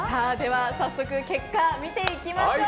早速、結果見ていきましょう。